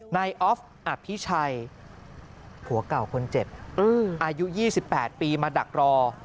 นายออฟอภิชัยผัวเก่าคนเจ็บอายุ๒๘ปีมาดักรอ